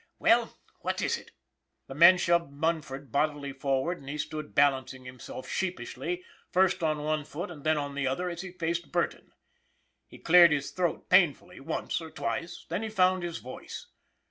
"Well, what is it?" The men shoved Munford bodily forward and he stood balancing himself sheepishly, first on one foot and then on the other, as he faced Burton. He cleared his throat painfully once or twice, then he found his voice.